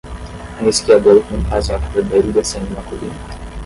Um esquiador com um casaco vermelho descendo uma colina.